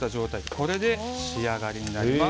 これで仕上がりになります。